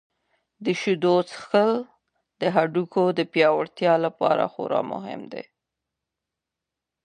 د شیدو څښل د هډوکو د پیاوړتیا لپاره خورا مهم دي.